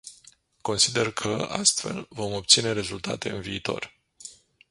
Consider că, astfel, vom obține rezultate în viitor.